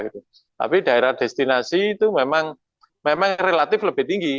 tapi daerah destinasi itu memang relatif lebih tinggi